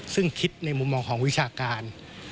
ซึ่งคิดในมุมมองของวิชาการ